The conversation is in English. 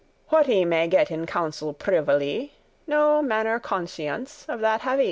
*unless* What I may get in counsel privily, No manner conscience of that have I.